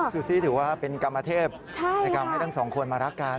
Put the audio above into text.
ซูซี่ถือว่าเป็นกรรมเทพในการให้ทั้งสองคนมารักกัน